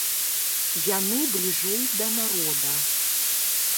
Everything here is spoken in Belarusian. Яны бліжэй да народа.